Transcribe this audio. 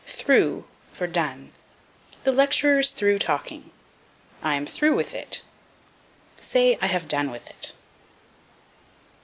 Through for Done. "The lecturer is through talking." "I am through with it." Say, I have done with it.